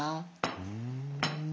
うん。